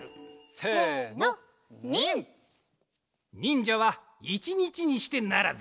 せのニン！にんじゃはいちにちにしてならず。